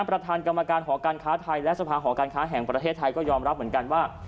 ประธานกรรมการหอการค้าไทยและสภาหอการค้าแห่งประเทศไทยก็ยอมรับเหมือนกันว่า